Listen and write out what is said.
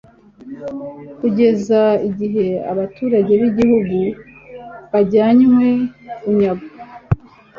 kugeza igihe abaturage b'igihugu bajyanywe bunyago